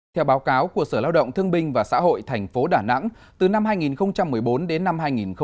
theo báo cáo của sở lao động thương binh và xã hội tp đà nẵng từ năm hai nghìn một mươi bốn đến năm hai nghìn một mươi tám